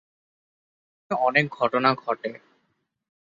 সেখানে অনেক ঘটনা ঘটে।